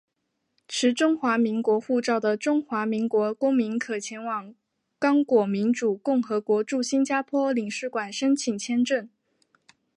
持中华民国护照的中华民国公民可前往刚果民主共和国驻新加坡领事馆申请签证。